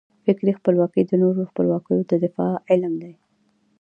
فکري خپلواکي د نورو خپلواکیو د دفاع علم دی.